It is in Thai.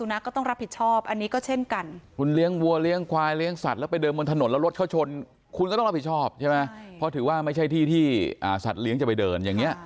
มันก็เหมือนเหมือน